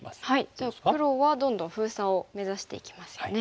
じゃあ黒はどんどん封鎖を目指していきますよね。